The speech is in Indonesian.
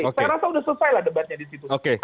saya rasa sudah selesailah debatnya di situ